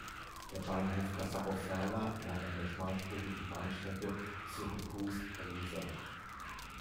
Der Bahnhof Cassaro-Ferla lag an der schmalspurigen Bahnstrecke Syrakus–Ragusa.